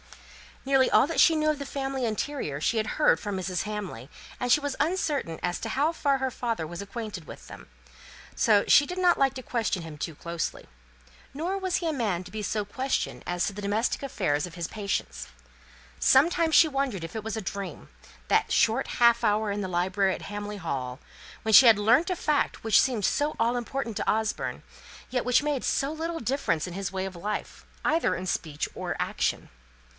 Nearly every particular she knew of the family interior she had heard from Mrs. Hamley, and she was uncertain how far her father was acquainted with them; so she did not like to question him too closely; nor was he a man to be so questioned as to the domestic affairs of his patients. Sometimes she wondered if it was a dream that short half hour in the library at Hamley Hall when she had learnt a fact which seemed so all important to Osborne, yet which made so little difference in his way of life either in speech or action.